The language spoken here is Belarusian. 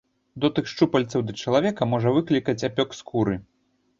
Дотык шчупальцаў да чалавека можа выклікаць апёк скуры.